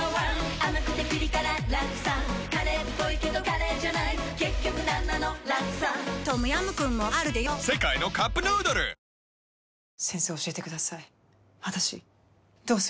甘くてピリ辛ラクサカレーっぽいけどカレーじゃない結局なんなのラクサトムヤムクンもあるでヨ世界のカップヌードル盛るまつげから開くまつげへ